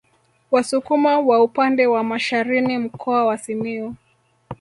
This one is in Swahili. Wasukuma wa upande wa Masharini Mkoa wa Simiyu